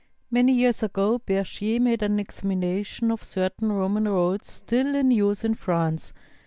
Many years ago Bergier made an examination of cer tain Roman roads still in use in France.